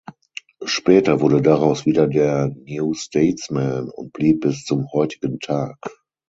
Später wurde daraus wieder der "New Statesman" und blieb es bis zum heutigen Tag.